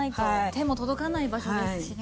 手も届かない場所ですしね